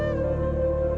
aku terlalu berharga